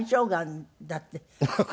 ハハハ！